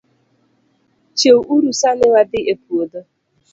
Chiew uru sani wadhii e puodho